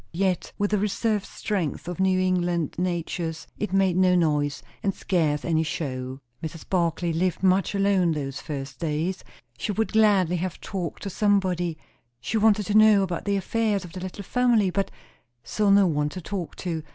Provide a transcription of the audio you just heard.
Yet, with the reserved strength of New England natures, it made no noise, and scarce any show. Mrs. Barclay lived much alone those first days. She would gladly have talked to somebody; she wanted to know about the affairs of the little family, but saw no one to talk to.